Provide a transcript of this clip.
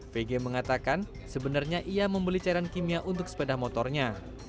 vg mengatakan sebenarnya ia membeli cairan kimia untuk sepeda motornya